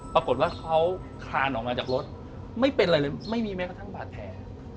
ปรากฏว่าเขาคลานออกมาจากรถไม่เป็นอะไรเลยไม่มีแม้กระทั่งบาดแผล